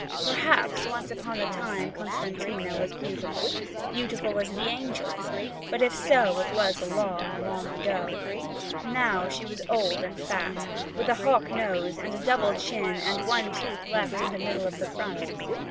Perhaps once upon a time Costantina was beautiful beautiful as the angels but if so, it was long, long ago. Now she was old and fat, with a hawk nose and a double chin and one tooth left in the middle of the front.